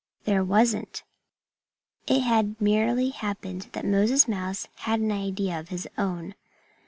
There wasn't. It had merely happened that Moses Mouse had had an idea of his own.